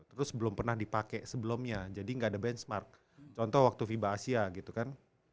terus belum pernah dipakai sebelumnya jadi nggak ada benchmark contoh waktu fiba asia gitu kan